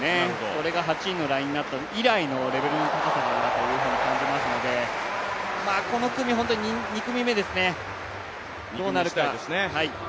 それが８位のラインになった以来のレベルの高さだと思いますので、本当に２組目、どうなるか。